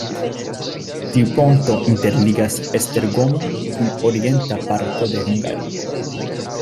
Tiu ponto interligas Esztergom-on kun orienta parto de Hungario.